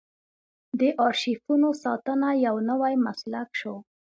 د ارشیفونو ساتنه یو نوی مسلک شو.